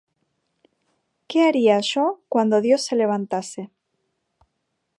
¿Qué haría yo cuando Dios se levantase?